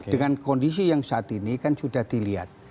dengan kondisi yang saat ini kan sudah dilihat